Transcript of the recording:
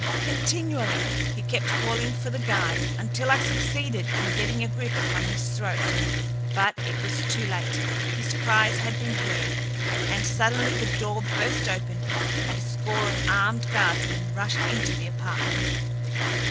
Continually he kept calling for the guard, until I succeeded in getting a grip upon his throat; but it was too late. His cries had been heard, and suddenly the door burst open, and a score of armed guardsmen rushed into the apartment.